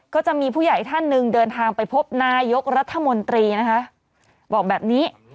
ก็จะมีผู้ใหญ่ท่านหนึ่งเดินทางไปพบนายกรัฐมนตรีนะคะบอกแบบนี้